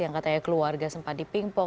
yang katanya keluarga sempat dipingpong